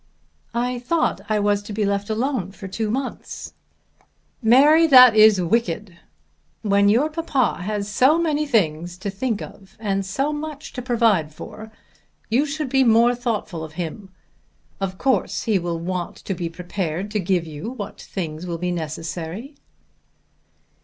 "I thought I was to be left alone for two months." "Mary, that is wicked. When your papa has so many things to think of and so much to provide for, you should be more thoughtful of him. Of course he will want to be prepared to give you what things will be necessary."